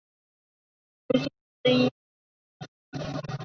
好撒玛利亚人医院是美国首五所主要中风中心之一。